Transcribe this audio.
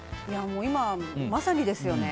今、まさにですよね。